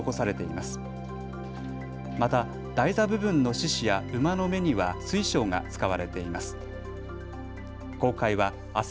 また台座部分の獅子や馬の目には水晶が使われています。